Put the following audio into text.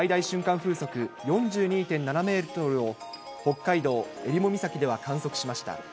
風速４２．７メートルを、北海道えりも岬では観測しました。